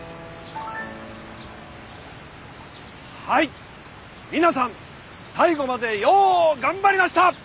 はい皆さん最後までよう頑張りました。